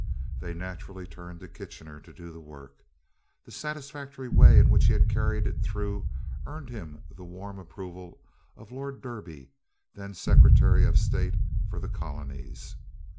They naturally turned to Kitchener to do the work. The satisfactory way in which he carried it through earned for him the warm approval of Lord Derby, then Secretary of State for the Colonies.